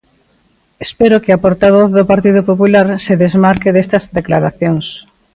Espero que a portavoz do Partido Popular se desmarque destas declaracións.